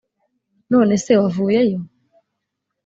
None se wavuyeyo?